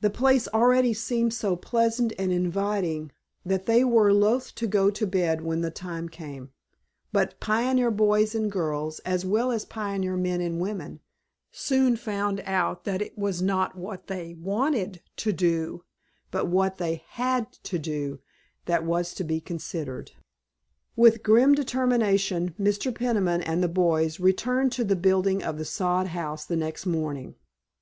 The place already seemed so pleasant and inviting that they were loath to go to bed when the time came, but pioneer boys and girls, as well as pioneer men and women, soon found out that it was not what they wanted to do, but what they had to do that was to be considered. With grim determination Mr. Peniman and the boys returned to the building of the sod house the next morning.